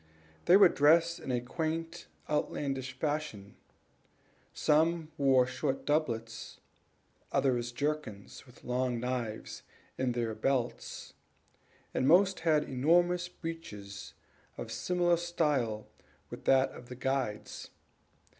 They were dressed in a quaint outlandish fashion; some wore short doublets, others jerkins, with long knives in their belts, and most of them had enormous breeches of similar style with that of the guide's.